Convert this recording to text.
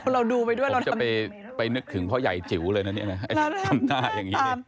เราดูไปด้วยเราจะไปนึกถึงพ่อใหญ่จิ๋วเลยนะเนี่ย